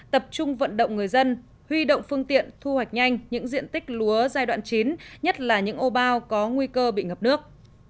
tập trung vận động người dân huy động phương tiện thu hoạch nhanh những diện tích lúa giai đoạn chín nhất là những ô bao có nguy cơ bị ngập nước